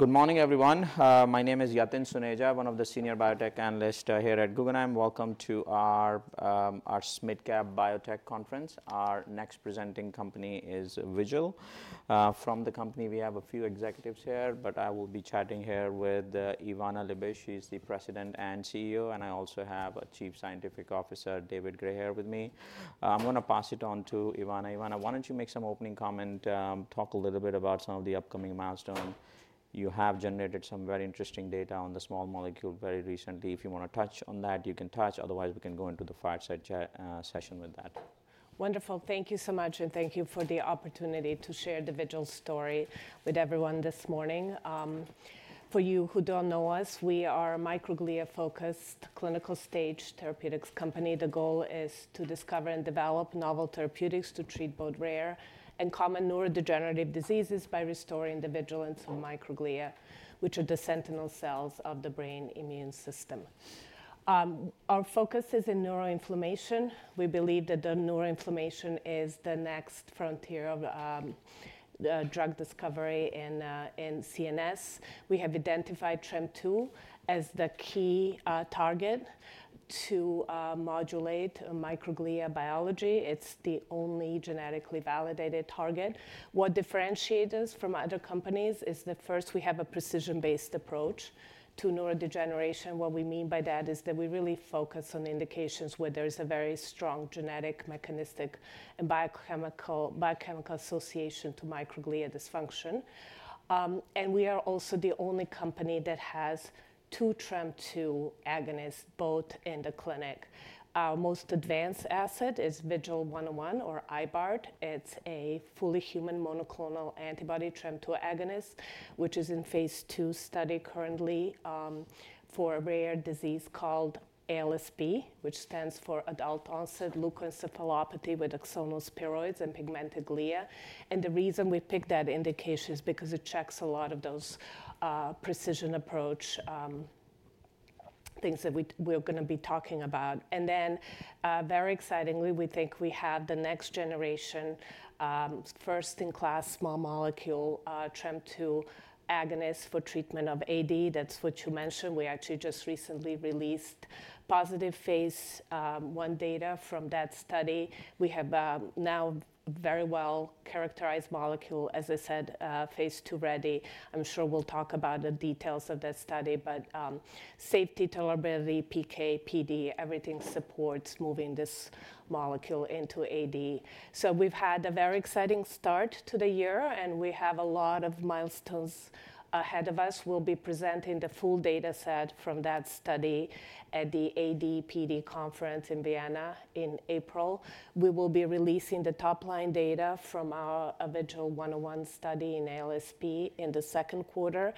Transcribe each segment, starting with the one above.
Good morning, everyone. My name is Yatin Suneja, one of the senior biotech analysts here at Guggenheim. Welcome to our SMID Cap Biotech Conference. Our next presenting company is Vigil. From the company, we have a few executives here, but I will be chatting here with Ivana Magovčević-Liebisch. She's the President and CEO, and I also have a Chief Scientific Officer, David Gray, here with me. I'm gonna pass it on to Ivana. Ivana, why don't you make some opening comment, talk a little bit about some of the upcoming milestones. You have generated some very interesting data on the small molecule very recently. If you wanna touch on that, you can touch. Otherwise, we can go into the fireside chat session with that. Wonderful. Thank you so much, and thank you for the opportunity to share the Vigil story with everyone this morning. For you who don't know us, we are a microglia-focused clinical stage therapeutics company. The goal is to discover and develop novel therapeutics to treat both rare and common neurodegenerative diseases by restoring the vigilance of microglia, which are the sentinel cells of the brain immune system. Our focus is in neuroinflammation. We believe that the neuroinflammation is the next frontier of drug discovery in CNS. We have identified TREM2 as the key target to modulate microglia biology. It's the only genetically validated target. What differentiates us from other companies is that, first, we have a precision-based approach to neurodegeneration. What we mean by that is that we really focus on indications where there's a very strong genetic, mechanistic, and biochemical association to microglia dysfunction. We are also the only company that has two TREM2 agonists both in the clinic. Our most advanced asset is VGL101, or iluzanebart. It's a fully human monoclonal antibody TREM2 agonist, which is in Phase 2 study currently, for a rare disease called ALSP, which stands for adult-onset leukoencephalopathy with axonal spheroids and pigmented glia. The reason we picked that indication is because it checks a lot of those, precision approach, things that we're gonna be talking about. Then, very excitingly, we think we have the next generation, first-in-class small molecule, TREM2 agonist for treatment of AD. That's what you mentioned. We actually just recently released positive Phase 1 data from that study. We have, now a very well-characterized molecule, as I said, Phase 2 ready. I'm sure we'll talk about the details of that study, but safety, tolerability, PK, PD, everything supports moving this molecule into AD. So we've had a very exciting start to the year, and we have a lot of milestones ahead of us. We'll be presenting the full data set from that study at the AD/PD conference in Vienna in April. We will be releasing the top-line data from our VGL101 study in ALSP in the second quarter.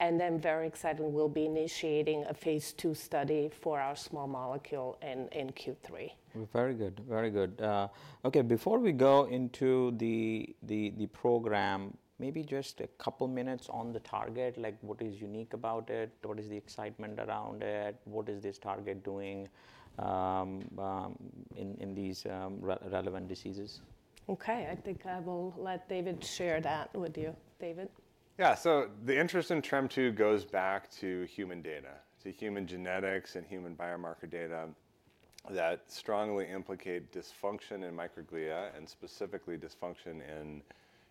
And then, very exciting, we'll be initiating a Phase 2 study for our small molecule in Q3. Very good. Very good. Okay, before we go into the program, maybe just a couple minutes on the target, like, what is unique about it? What is the excitement around it? What is this target doing, in these relevant diseases? Okay. I think I will let David share that with you. David? Yeah. So the interest in TREM2 goes back to human data, to human genetics and human biomarker data that strongly implicate dysfunction in microglia, and specifically dysfunction in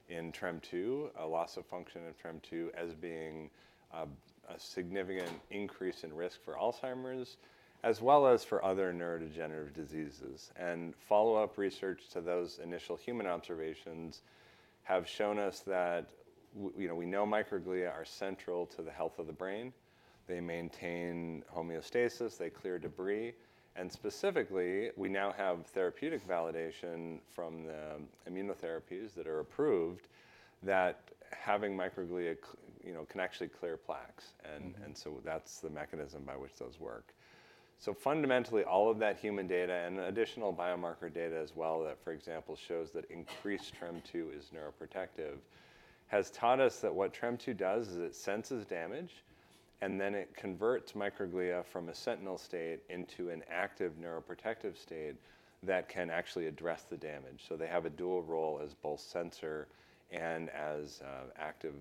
TREM2, a loss of function of TREM2 as being a significant increase in risk for Alzheimer's, as well as for other neurodegenerative diseases. And follow-up research to those initial human observations have shown us that we, you know, we know microglia are central to the health of the brain. They maintain homeostasis. They clear debris. And specifically, we now have therapeutic validation from the immunotherapies that are approved that having microglia, you know, can actually clear plaques. And so that's the mechanism by which those work. So fundamentally, all of that human data and additional biomarker data as well that, for example, shows that increased TREM2 is neuroprotective has taught us that what TREM2 does is it senses damage, and then it converts microglia from a sentinel state into an active neuroprotective state that can actually address the damage. So they have a dual role as both sensor and as active,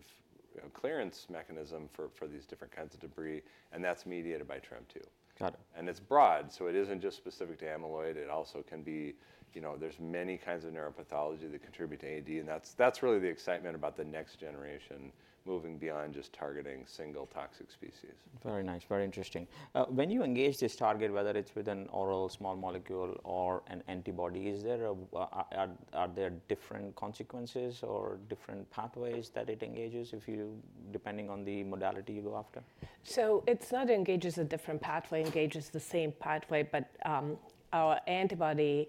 you know, clearance mechanism for these different kinds of debris, and that's mediated by TREM2. Got it. It's broad, so it isn't just specific to amyloid. It also can be, you know, there's many kinds of neuropathology that contribute to AD, and that's, that's really the excitement about the next generation moving beyond just targeting single toxic species. Very nice. Very interesting. When you engage this target, whether it's with an oral small molecule or an antibody, is there, are there different consequences or different pathways that it engages if you, depending on the modality you go after? It does not engage a different pathway. It engages the same pathway, but our antibody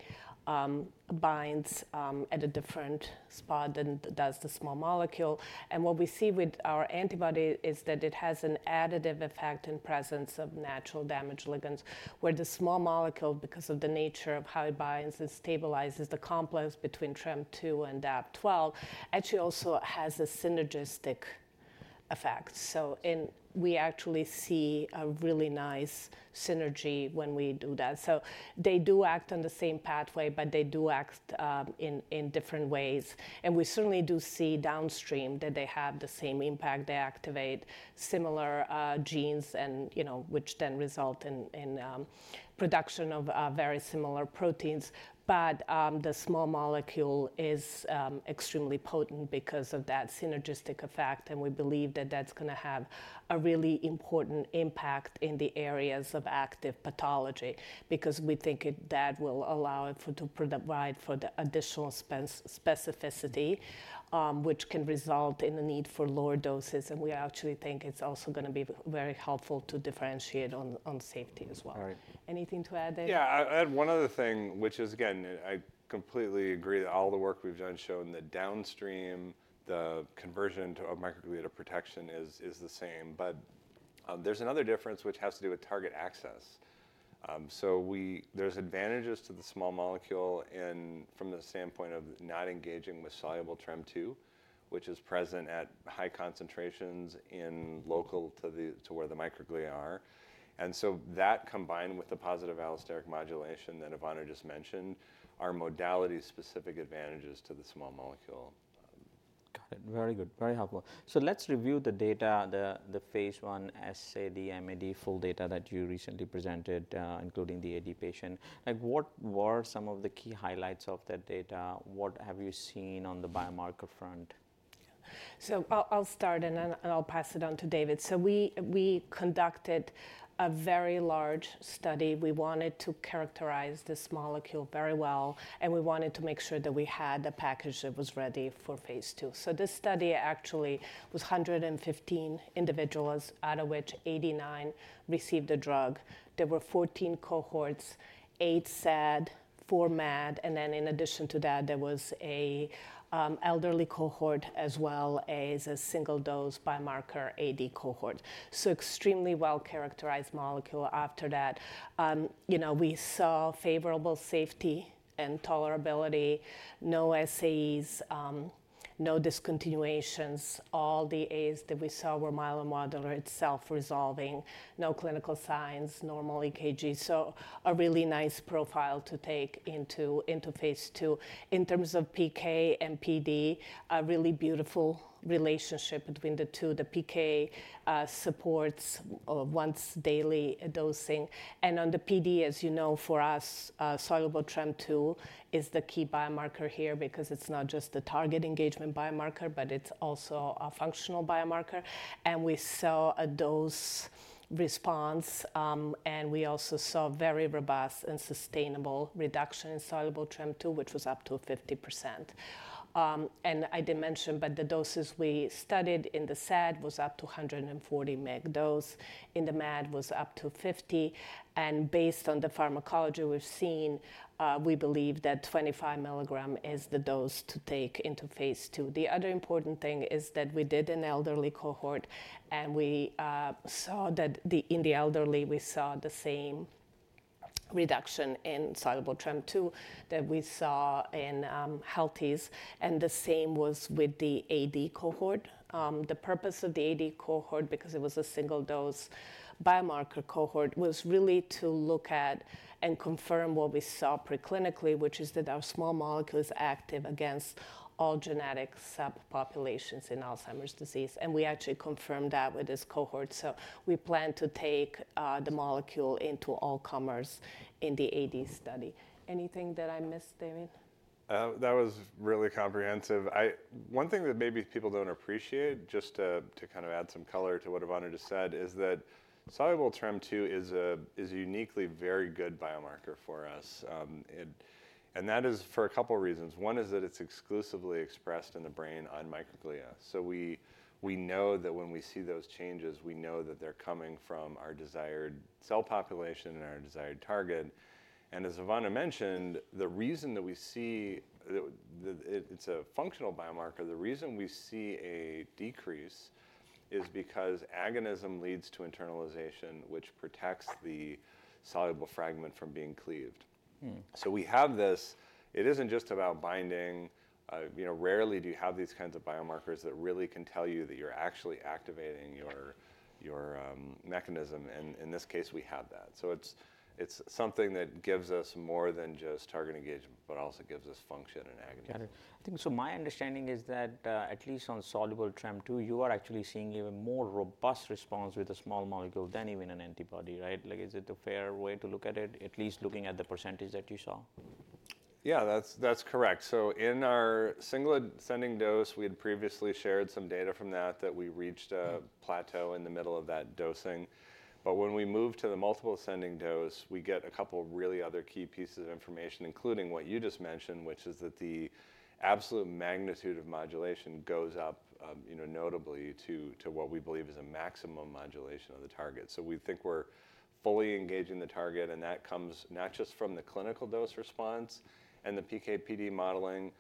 binds at a different spot than does the small molecule. And what we see with our antibody is that it has an additive effect in presence of natural damage ligands, where the small molecule, because of the nature of how it binds and stabilizes the complex between TREM2 and DAP12, actually also has a synergistic effect. So we actually see a really nice synergy when we do that. They do act on the same pathway, but they do act in different ways. And we certainly do see downstream that they have the same impact. They activate similar genes and, you know, which then result in production of very similar proteins. But the small molecule is extremely potent because of that synergistic effect, and we believe that that's gonna have a really important impact in the areas of active pathology because we think that it will allow it to provide the additional spatial specificity, which can result in a need for lower doses. And we actually think it's also gonna be very helpful to differentiate on safety as well. All right. Anything to add there? Yeah. I'll add one other thing, which is, again, I completely agree that all the work we've done showed that downstream, the conversion to a microglia to protection is the same, but there's another difference which has to do with target access. So there's advantages to the small molecule in, from the standpoint of not engaging with soluble TREM2, which is present at high concentrations local to where the microglia are, and so that combined with the positive allosteric modulation that Ivana just mentioned are modality-specific advantages to the small molecule. Got it. Very good. Very helpful. So let's review the data, the Phase 1 SAD-MAD full data that you recently presented, including the AD patient. Like, what were some of the key highlights of that data? What have you seen on the biomarker front? I'll start and I'll pass it on to David. We conducted a very large study. We wanted to characterize this molecule very well, and we wanted to make sure that we had the package that was ready for Phase 2. This study actually was 115 individuals, out of which 89 received the drug. There were 14 cohorts, eight SAD, four MAD, and then in addition to that, there was an elderly cohort as well as a single-dose biomarker AD cohort. So extremely well-characterized molecule. After that, you know, we saw favorable safety and tolerability, no SAEs, no discontinuations. All the AEs that we saw were mild to moderate, self-resolving, no clinical signs, normal EKG. So a really nice profile to take into Phase 2. In terms of PK and PD, a really beautiful relationship between the two. The PK supports once daily dosing. And on the PD, as you know, for us, soluble TREM2 is the key biomarker here because it's not just the target engagement biomarker, but it's also a functional biomarker. And we saw a dose response, and we also saw very robust and sustainable reduction in soluble TREM2, which was up to 50%. And I didn't mention, but the doses we studied in the SAD was up to 140 mg dose. In the MAD, it was up to 50. And based on the pharmacology we've seen, we believe that 25 milligram is the dose to take into Phase 2. The other important thing is that we did an elderly cohort, and we saw that in the elderly, we saw the same reduction in soluble TREM2 that we saw in healthies, and the same was with the AD cohort. The purpose of the AD cohort, because it was a single-dose biomarker cohort, was really to look at and confirm what we saw preclinically, which is that our small molecule is active against all genetic subpopulations in Alzheimer's disease. And we actually confirmed that with this cohort. So we plan to take the molecule into all comers in the AD study. Anything that I missed, David? That was really comprehensive. One thing that maybe people don't appreciate, just to kind of add some color to what Ivana just said, is that soluble TREM2 is a uniquely very good biomarker for us. And that is for a couple reasons. One is that it's exclusively expressed in the brain on microglia. So we know that when we see those changes, we know that they're coming from our desired cell population and our desired target. And as Ivana mentioned, the reason that we see that it's a functional biomarker, the reason we see a decrease is because agonism leads to internalization, which protects the soluble fragment from being cleaved. So we have this. It isn't just about binding. You know, rarely do you have these kinds of biomarkers that really can tell you that you're actually activating your mechanism. In this case, we have that. It's something that gives us more than just target engagement, but also gives us function and agonism. Got it. I think, so my understanding is that, at least on soluble TREM2, you are actually seeing even more robust response with a small molecule than even an antibody, right? Like, is it a fair way to look at it, at least looking at the percentage that you saw? Yeah. That's correct. So in our single ascending dose, we had previously shared some data from that we reached a plateau in the middle of that dosing. But when we move to the multiple ascending dose, we get a couple really other key pieces of information, including what you just mentioned, which is that the absolute magnitude of modulation goes up, you know, notably to what we believe is a maximum modulation of the target. So we think we're fully engaging the target, and that comes not just from the clinical dose response and the PK/PD modeling,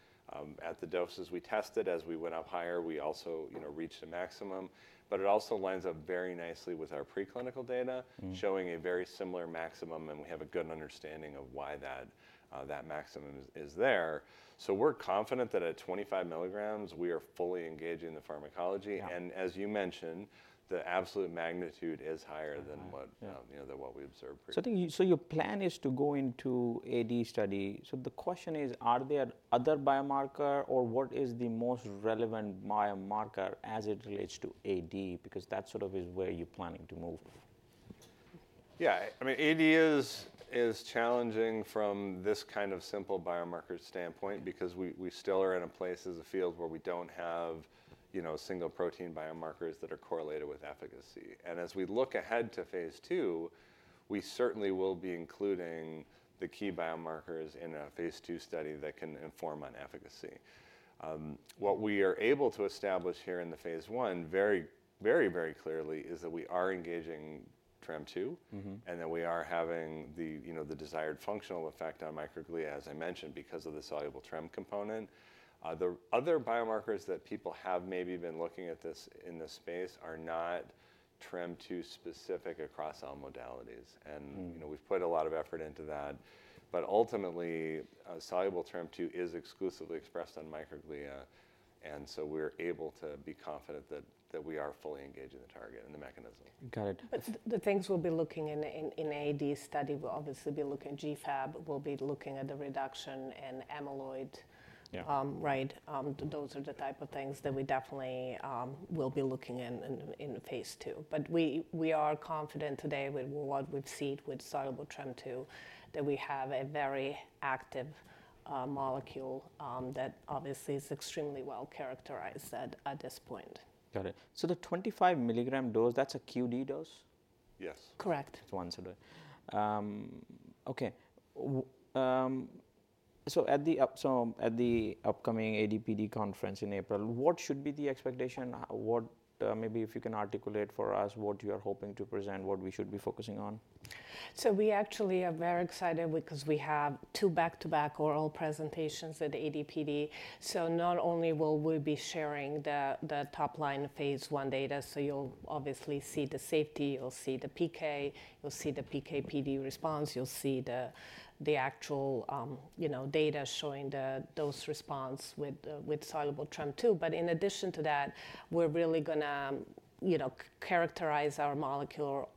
at the doses we tested. As we went up higher, we also, you know, reached a maximum. But it also lines up very nicely with our preclinical data, showing a very similar maximum, and we have a good understanding of why that maximum is there. So we're confident that at 25 milligrams, we are fully engaging the pharmacology. Yeah. As you mentioned, the absolute magnitude is higher than what. Yeah. you know, than what we observed previously. So, I think you, so your plan is to go into AD study. The question is, are there other biomarker or what is the most relevant biomarker as it relates to AD? Because that sort of is where you're planning to move. Yeah. I mean, AD is challenging from this kind of simple biomarker standpoint because we still are at a place as a field where we don't have, you know, single protein biomarkers that are correlated with efficacy. And as we look ahead to Phase 2, we certainly will be including the key biomarkers in a Phase 2 study that can inform on efficacy. What we are able to establish here in the Phase 1 very, very, very clearly is that we are engaging TREM2. Mm-hmm. That we are having the, you know, the desired functional effect on microglia, as I mentioned, because of the soluble TREM2 component. The other biomarkers that people have maybe been looking at this in this space are not TREM2 specific across all modalities. You know, we've put a lot of effort into that. But ultimately, soluble TREM2 is exclusively expressed on microglia, and so we're able to be confident that we are fully engaging the target and the mechanism. Got it. The things we'll be looking in the AD study, we'll obviously be looking at GFAP. We'll be looking at the reduction in amyloid. Yeah. Right. Those are the type of things that we definitely will be looking in Phase 2. But we are confident today with what we've seen with soluble TREM2 that we have a very active molecule that obviously is extremely well-characterized at this point. Got it. So the 25 milligram dose, that's a QD dose? Yes. Correct. It's once a day. Okay. So at the upcoming AD/PD conference in April, what should be the expectation? What, maybe if you can articulate for us what you are hoping to present, what we should be focusing on? So we actually are very excited because we have two back-to-back oral presentations at AD/PD. So not only will we be sharing the top line Phase 1 data, so you'll obviously see the safety, you'll see the PK, you'll see the PK/PD response, you'll see the actual, you know, data showing the dose response with soluble TREM2. But in addition to that, we're really gonna, you know, characterize our molecule,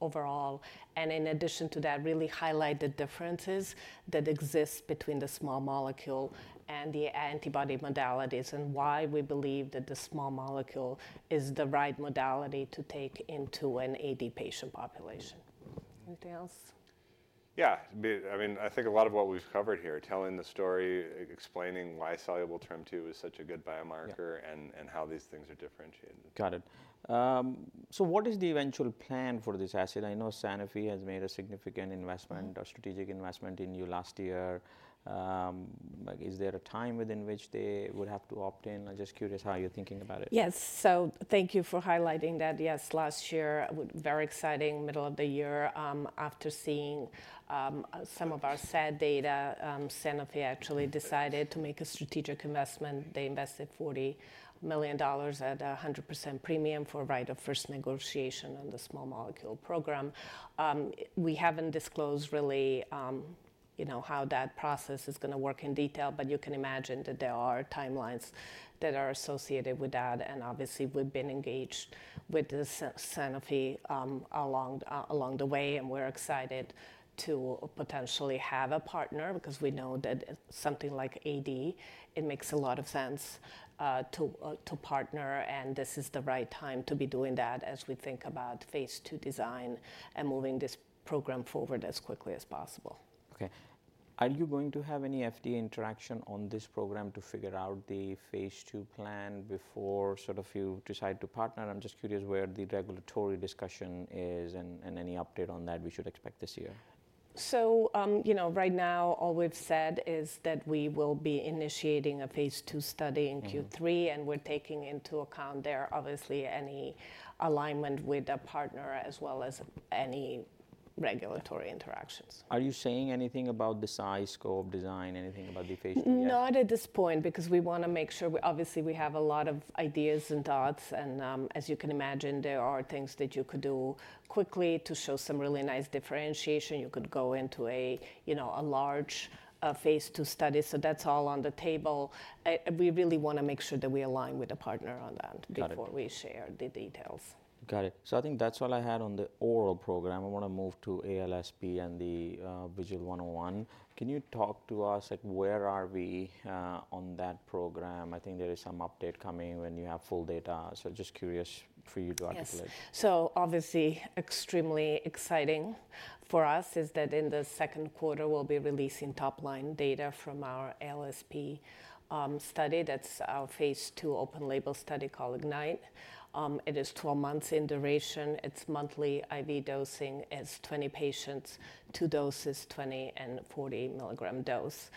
overall, and in addition to that, really highlight the differences that exist between the small molecule and the antibody modalities and why we believe that the small molecule is the right modality to take into an AD patient population. Anything else? Yeah. I mean, I think a lot of what we've covered here, telling the story, explaining why soluble TREM2 is such a good biomarker and how these things are differentiated. Got it. So what is the eventual plan for this asset? I know Sanofi has made a significant investment, a strategic investment in you last year. Like, is there a time within which they would have to opt in? I'm just curious how you're thinking about it. Yes. So thank you for highlighting that. Yes. Last year, very exciting middle of the year. After seeing some of our SAD data, Sanofi actually decided to make a strategic investment. They invested $40 million at a 100% premium for right of first negotiation on the small molecule program. We haven't disclosed really, you know, how that process is gonna work in detail, but you can imagine that there are timelines that are associated with that. And obviously, we've been engaged with Sanofi along the way, and we're excited to potentially have a partner because we know that something like AD, it makes a lot of sense to partner, and this is the right time to be doing that as we think about Phase 2 design and moving this program forward as quickly as possible. Okay. Are you going to have any FDA interaction on this program to figure out the Phase 2 plan before sort of you decide to partner? I'm just curious where the regulatory discussion is and, and any update on that we should expect this year. You know, right now, all we've said is that we will be initiating a Phase 2 study in Q3, and we're taking into account there, obviously, any alignment with a partner as well as any regulatory interactions. Are you saying anything about the size, scope, design, anything about the Phase 2 yet? Not at this point because we wanna make sure we obviously, we have a lot of ideas and thoughts, and, as you can imagine, there are things that you could do quickly to show some really nice differentiation. You could go into a, you know, a large, Phase 2 study. So that's all on the table. We really wanna make sure that we align with a partner on that. Got it. Before we share the details. Got it. So I think that's all I had on the oral program. I wanna move to ALSP and the VGL101. Can you talk to us, like, where are we, on that program? I think there is some update coming when you have full data. So just curious for you to articulate. Yes. So obviously, extremely exciting for us is that in the second quarter, we'll be releasing top line data from our ALSP study. That's our Phase 2 open label study called IGNITE. It is 12 months in duration. It's monthly IV dosing in 20 patients, two doses, 20 and 40 milligram dose.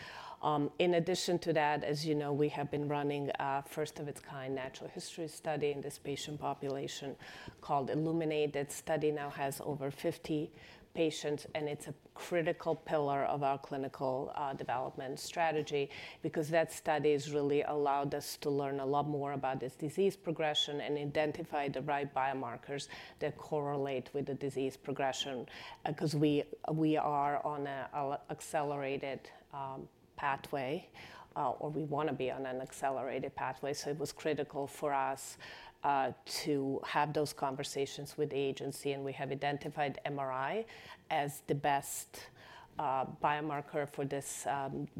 In addition to that, as you know, we have been running a first-of-its-kind natural history study in this patient population called ILLUMINATE. That study now has over 50 patients, and it's a critical pillar of our clinical development strategy because that study has really allowed us to learn a lot more about this disease progression and identify the right biomarkers that correlate with the disease progression because we are on an accelerated pathway, or we wanna be on an accelerated pathway. So it was critical for us to have those conversations with the agency, and we have identified MRI as the best biomarker for this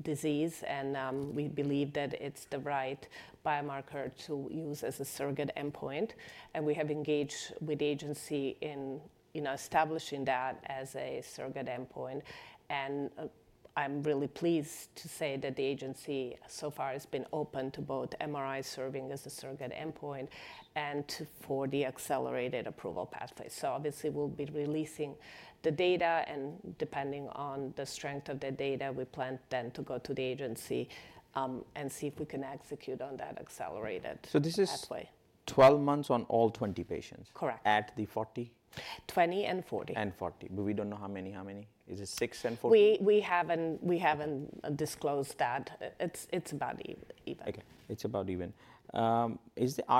disease, and we believe that it's the right biomarker to use as a surrogate endpoint. We have engaged with the agency in you know establishing that as a surrogate endpoint, and I'm really pleased to say that the agency so far has been open to both MRI serving as a surrogate endpoint and for the accelerated approval pathway. So obviously, we'll be releasing the data, and depending on the strength of the data, we plan then to go to the agency, and see if we can execute on that accelerated pathway. So this is 12 months on all 20 patients. Correct. At the 40? 20 and 40. 40. But we don't know how many. Is it six and 40? We haven't disclosed that. It's about even. Okay. It's about even. Are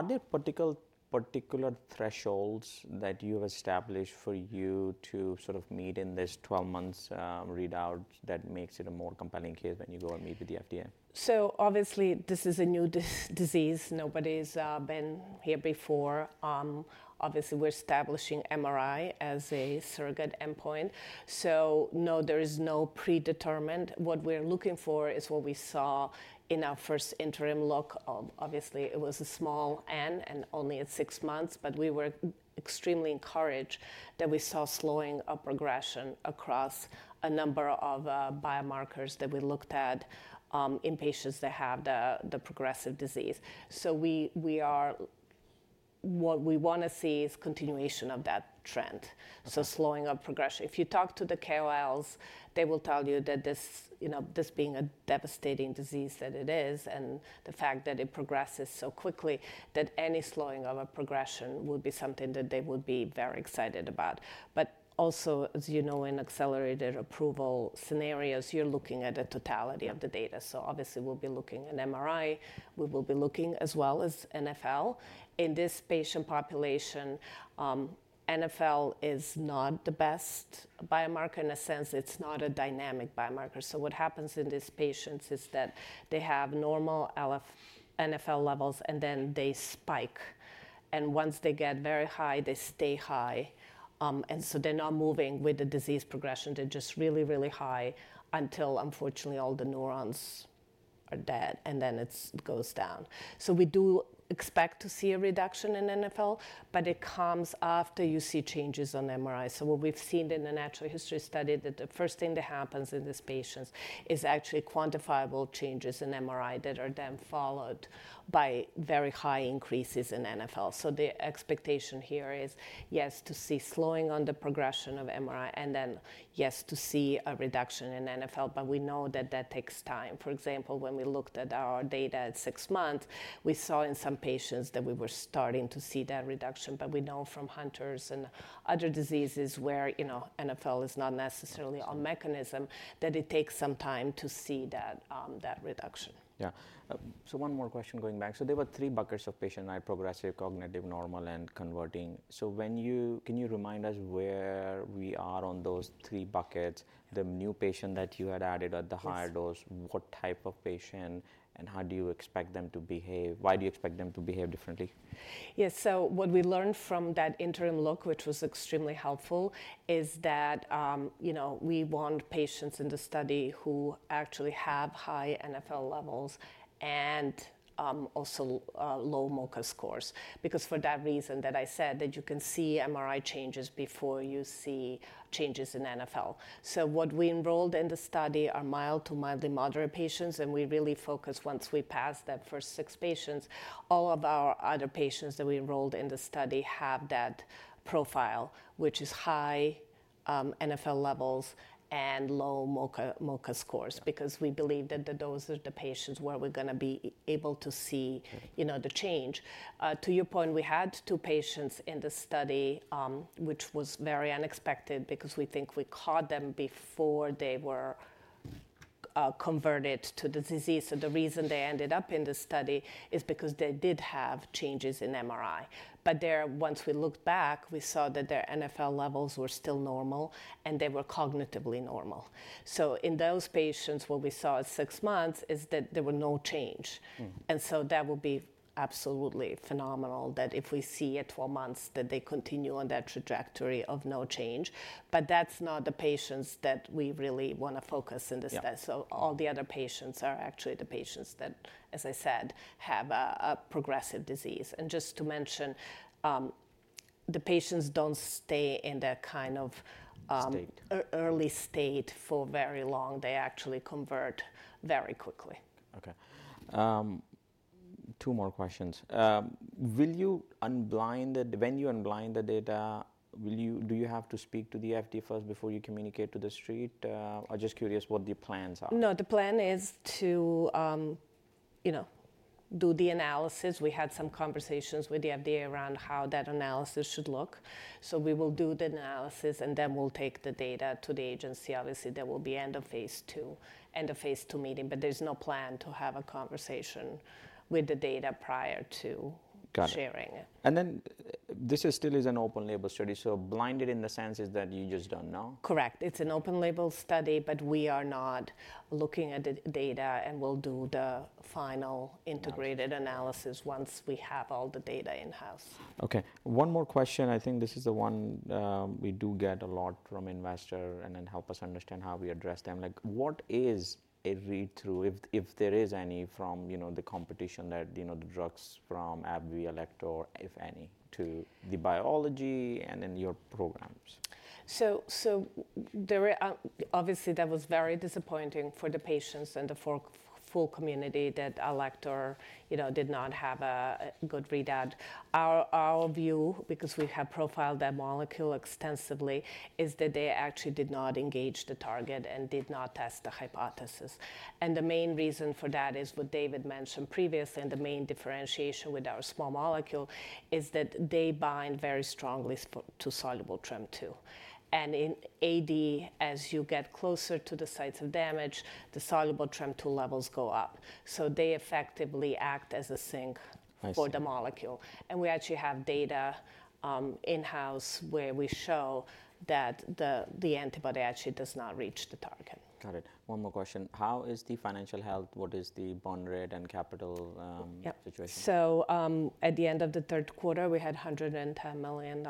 there particular thresholds that you have established for you to sort of meet in this 12-month readout that makes it a more compelling case when you go and meet with the FDA? So obviously, this is a new disease. Nobody's been here before. Obviously, we're establishing MRI as a surrogate endpoint. So no, there is no predetermined. What we're looking for is what we saw in our first interim look. Obviously, it was a small N and only at six months, but we were extremely encouraged that we saw slowing of progression across a number of biomarkers that we looked at, in patients that have the progressive disease. So we are what we wanna see is continuation of that trend. Okay. So, slowing of progression. If you talk to the KOLs, they will tell you that this, you know, this being a devastating disease that it is and the fact that it progresses so quickly, that any slowing of a progression would be something that they would be very excited about. But also, as you know, in accelerated approval scenarios, you're looking at the totality of the data. So obviously, we'll be looking at MRI. We will be looking as well as NfL. In this patient population, NfL is not the best biomarker in a sense. It's not a dynamic biomarker. So what happens in these patients is that they have normal NfL levels, and then they spike. And once they get very high, they stay high. And so they're not moving with the disease progression. They're just really, really high until, unfortunately, all the neurons are dead, and then it goes down. So we do expect to see a reduction in NfL, but it comes after you see changes on MRI. So what we've seen in the natural history study, that the first thing that happens in these patients is actually quantifiable changes in MRI that are then followed by very high increases in NfL. So the expectation here is, yes, to see slowing on the progression of MRI, and then yes, to see a reduction in NfL. But we know that that takes time. For example, when we looked at our data at six months, we saw in some patients that we were starting to see that reduction. But we know from Huntington's and other diseases where, you know, NfL is not necessarily a mechanism, that it takes some time to see that, that reduction. Yeah, so one more question going back. So there were three buckets of patient: high progressive, cognitive, normal, and converting. So when you, can you remind us where we are on those three buckets, the new patient that you had added at the higher dose, what type of patient, and how do you expect them to behave? Why do you expect them to behave differently? Yes. So what we learned from that interim look, which was extremely helpful, is that, you know, we want patients in the study who actually have high NfL levels and, also, low MoCA scores because for that reason that I said that you can see MRI changes before you see changes in NfL. So what we enrolled in the study are mild to mildly moderate patients, and we really focus once we pass that first six patients. All of our other patients that we enrolled in the study have that profile, which is high NfL levels and low MoCA, MoCA scores because we believe that the dose of the patients where we're gonna be able to see, you know, the change. To your point, we had two patients in the study, which was very unexpected because we think we caught them before they were converted to the disease. So the reason they ended up in the study is because they did have changes in MRI. But there, once we looked back, we saw that their NfL levels were still normal, and they were cognitively normal. So in those patients, what we saw at six months is that there were no change. And so that would be absolutely phenomenal that if we see at 12 months that they continue on that trajectory of no change. But that's not the patients that we really wanna focus in this study. Yeah. So all the other patients are actually the patients that, as I said, have a progressive disease. And just to mention, the patients don't stay in that kind of, State. Early state for very long. They actually convert very quickly. Okay. Two more questions. Will you unblind the, when you unblind the data, will you, do you have to speak to the FDA first before you communicate to the street? I'm just curious what the plans are. No, the plan is to, you know, do the analysis. We had some conversations with the FDA around how that analysis should look. So we will do the analysis, and then we'll take the data to the agency. Obviously, there will be end of Phase 2, end of Phase 2 meeting, but there's no plan to have a conversation with the data prior to. Got it. Sharing it. This is still an open label study. Blinded in the sense is that you just don't know? Correct. It's an open label study, but we are not looking at the data, and we'll do the final integrated analysis once we have all the data in-house. Okay. One more question. I think this is the one, we do get a lot from investors and then help us understand how we address them. Like, what is a read-through if, if there is any from, you know, the competition that, you know, the drugs from AbbVie Alector, if any, to the biology and then your programs? So, obviously, that was very disappointing for the patients and the community that Alector, you know, did not have a good readout. Our view, because we have profiled that molecule extensively, is that they actually did not engage the target and did not test the hypothesis. And the main reason for that is what David mentioned previously. And the main differentiation with our small molecule is that they bind very strongly to soluble TREM2. And in AD, as you get closer to the sites of damage, the soluble TREM2 levels go up. So they effectively act as a sink. I see. For the molecule and we actually have data, in-house where we show that the antibody actually does not reach the target. Got it. One more question. How is the financial health? What is the burn rate and capital? Yep. Situation? So, at the end of the third quarter, we had $110 million,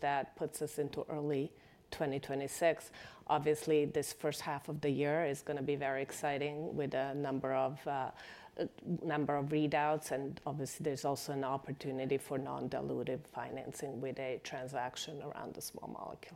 that puts us into early 2026. Obviously, this first half of the year is gonna be very exciting with a number of, number of readouts. And obviously, there's also an opportunity for non-dilutive financing with a transaction around the small molecule.